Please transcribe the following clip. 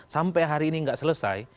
sampai hari ini nggak selesai